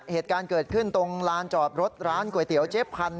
เหตุการณ์เกิดขึ้นตรงลานจอดรถร้านก๋วยเตี๋ยวเจ๊พันธ